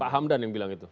pak hamdan yang bilang itu